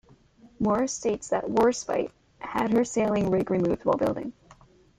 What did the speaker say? Morris states that "Warspite" had her sailing rig removed while building.